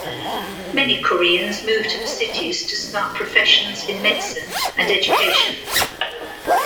Many Koreans moved to the cities to start professions in medicine and education.